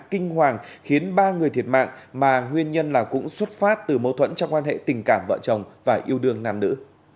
kinh hoàng khiến ba người thiệt mạng mà nguyên nhân là cũng xuất phát từ mâu thuẫn trong quan hệ tình cảm vợ chồng và yêu đương nam nữ